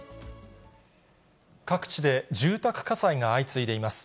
各地で住宅火災が相次いでいます。